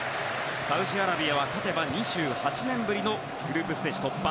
サウジアラビアは勝てば２８年ぶりのグループステージ突破。